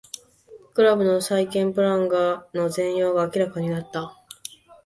クラブの再建プランの全容が明らかになった